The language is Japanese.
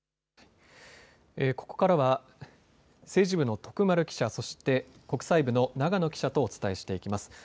ここからは政治部の徳丸記者、そして国際部の長野記者とお伝えしていきます。